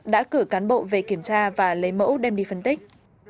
đã cử cán bộ về kiểm tra và lấy mẫu đem đi phân tích